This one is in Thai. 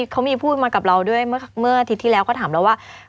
เขามีพูดมากับเราด้วยเมื่ออาทิตย์ที่แล้วก็ถามเราว่า